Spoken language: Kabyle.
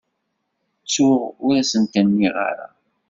Ttuɣ ur asent-nniɣ ara.